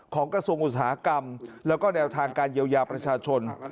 กระทรวงอุตสาหกรรมแล้วก็แนวทางการเยียวยาประชาชน